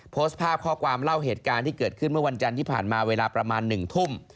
โพสต์ภาพข้อความเล่าเหตุการณ์ที่เกิดขึ้นเมื่อวันจันทร์ที่ผ่านมาเวลาประมาณ๑ทุ่ม